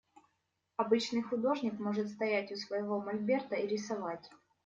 Обычный художник может стоять у своего мольберта и рисовать.